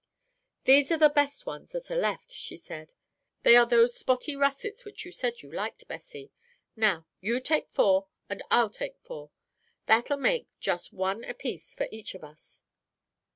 "These are the best ones that are left," she said. "They are those spotty russets which you said you liked, Bessie. Now, you take four and I'll take four. That'll make just one apiece for each of us."